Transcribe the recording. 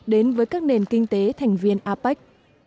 đến với các nền kinh tế thành viên apec